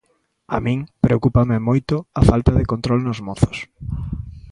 A min preocúpame moito a falta de control nos mozos.